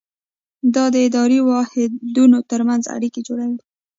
دا د اداري واحدونو ترمنځ اړیکې جوړوي.